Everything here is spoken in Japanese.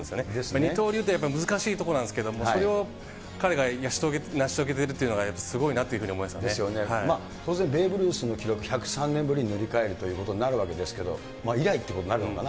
二刀流ってやっぱり、難しいところなんですけど、それを彼が成し遂げてるというのがすごいなというふうに思いましですよね、当然、ベーブ・ルースの記録、１０３年ぶりに塗り替えるということになるわけですけど、以来ってことになるのかな？